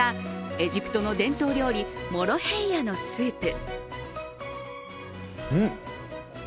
エジプトの伝統料理モロヘイヤのスープ。